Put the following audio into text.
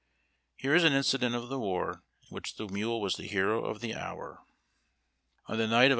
Here is an incident of the war in which the nuile was the hero of the hour :— THE ARMY MULE.